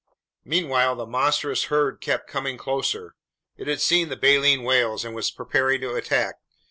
Meanwhile that monstrous herd kept coming closer. It had seen the baleen whales and was preparing to attack.